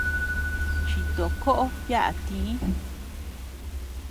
Chitokoʼo yaʼa tï.